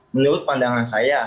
menurut pandangan saya